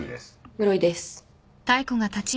室井です。